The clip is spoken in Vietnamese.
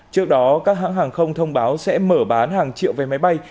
trước đó các hãng hàng không thông báo sẽ mở bán hàng triệu vé máy bay